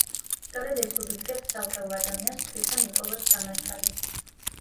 სწორედ ეს უბიძგებს ცალკეულ ადამიანს თვითონ იპოვოს სამართალი.